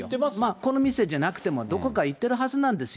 この店じゃなくても、どこか行ってるはずなんですよ。